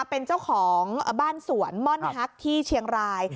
เป็นเจ้าของบ้านสวนม่อนฮักที่เชียงราย